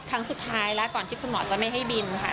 ครั้งสุดท้ายแล้วก่อนที่คุณหมอจะไม่ให้บินค่ะ